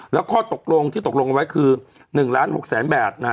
แล้วข้อตกลงที่ตกลงไว้คือ๑๖ล้านแบบ